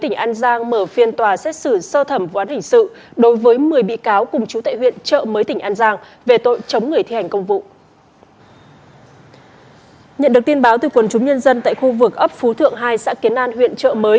nhận được tin báo từ quần chúng nhân dân tại khu vực ấp phú thượng hai xã kiến an huyện trợ mới